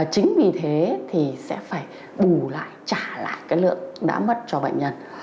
chính vì thế thì sẽ phải bù lại trả lại cái lượng đã mất cho bệnh nhân